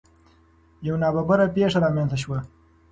یو نا ببره پېښه رامنځ ته شوه.